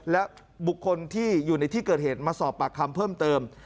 และบุคคลที่อยู่ในที่เกิดเหตุมาสอบปากคำเพิ่มเติม